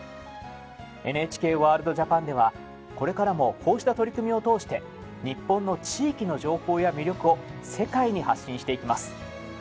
ＮＨＫワールドＪＡＰＡＮではこれからもこうした取り組みを通して日本の地域の情報や魅力を世界に発信していきます。